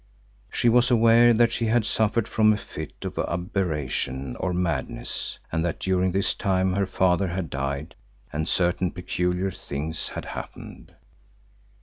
She was aware that she had suffered from a fit of aberration or madness and that during this time her father had died and certain peculiar things had happened.